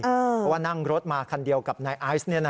เพราะว่านั่งรถมาคันเดียวกับนายไอซ์